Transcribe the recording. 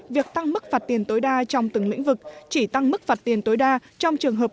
việc tăng mức phạt tiền tối đa trong từng lĩnh vực chỉ tăng mức phạt tiền tối đa trong trường hợp